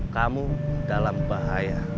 kamu dalam bahaya